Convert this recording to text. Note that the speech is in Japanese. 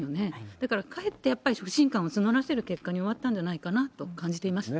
だから、かえってやっぱり不信感を募らせる結果に終わったんじゃないかなと感じています。